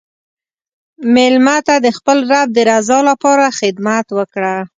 مېلمه ته د خپل رب د رضا لپاره خدمت وکړه.